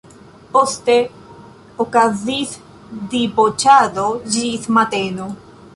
Poste okazis diboĉado ĝis mateno.